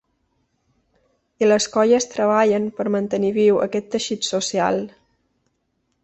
I les colles treballen per mantenir viu aquest teixit social.